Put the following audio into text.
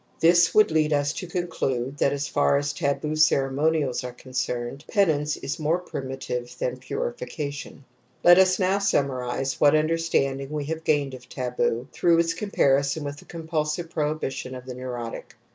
This would lead us to conclude that, as far as taboo cere monials are concerned, penance is more primi tive than purification. Let us now sxmunarize what imderstanding we have gained of taboo through its comparison THE AMBIVALENCE OF EMOTIONS 59 ^. with the compxilsive prohibition of the neurotic.